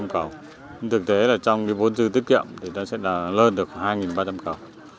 hai hai trăm linh cầu thực tế là trong vốn dư tiết kiệm thì ta sẽ đạt lên được khoảng hai ba trăm linh cầu